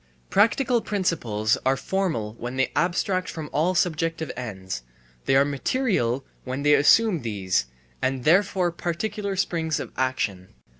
Practical principles are formal when they abstract from all subjective ends; they are material when they assume these, and therefore particular springs of action.